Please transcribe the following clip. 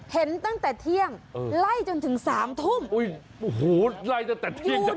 เห็นตั้งแต่เที่ยงไล่จนถึงสามทุ่มโอ้โหไล่ตั้งแต่เที่ยงครับ